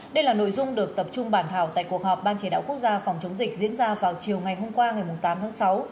đây là nội dung được tập trung bản thảo tại cuộc họp ban chỉ đạo quốc gia phòng chống dịch diễn ra vào chiều ngày hôm qua ngày tám tháng sáu